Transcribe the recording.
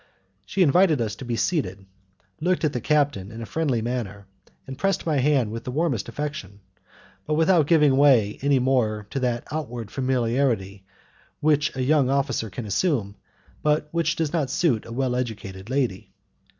She invited us to be seated, looked at the captain in a friendly manner, and pressed my hand with the warmest affection, but without giving way any more to that outward familiarity which a young officer can assume, but which does not suit a well educated lady.